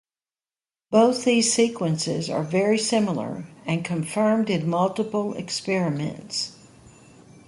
Both these sequences are very similar and confirmed in multiple experiments.